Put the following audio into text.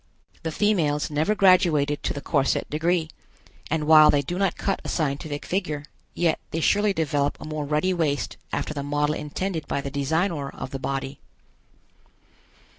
The females never graduated to the corset degree, and while they do not cut a scientific figure, yet they surely develop a more ruddy waist after the model intended by the Designor of the body.